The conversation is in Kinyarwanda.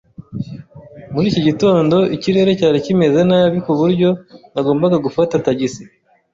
Muri iki gitondo ikirere cyari kimeze nabi kuburyo nagombaga gufata tagisi.